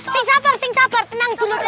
siap siap tenang dulu